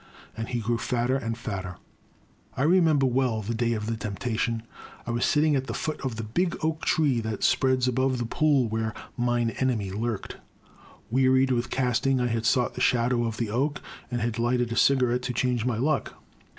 And he grew fatter and fatter. I remember well the day of the temptation. I was sitting at the foot of the big oak tree that spreads above the pool where Mine Enemy lurked. Wearied with casting, I had sought the shadow of the oak and had lighted a cigarette to change my luck.